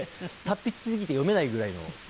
達筆すぎて読めないぐらいの。